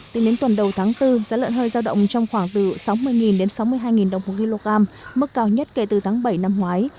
tính đến tuần đầu tháng bốn giá lợn hơi giao động trong khoảng từ sáu mươi đến sáu mươi hai đồng một kg mức cao nhất kể từ tháng bảy năm ngoái